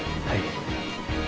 はい。